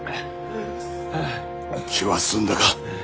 気は済んだか。